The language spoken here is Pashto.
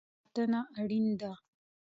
د ونو لپاره ساتنه اړین ده